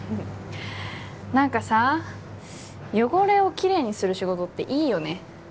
何かさ汚れをきれいにする仕事っていいよね